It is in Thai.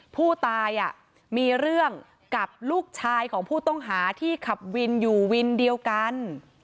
ผู้ตายมีเรื่องกับลูกชายของผู้ต้องหาที่ขับวินอยู่วินเดียวกัน